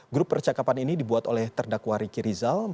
grup percakapan ini dibuat oleh terdakwari kirizal